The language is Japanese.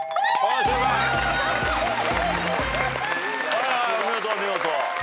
はいはいお見事お見事。